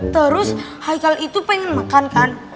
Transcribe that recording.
terus hikal itu pengen makan kan